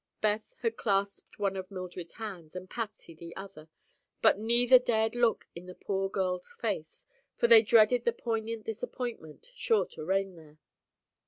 Beth had clasped one of Mildred's hands and Patsy the other, but neither dared look in the poor girl's face, for they dreaded the poignant disappointment sure to reign there.